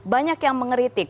banyak yang mengeritik